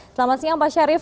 selamat siang pak syarif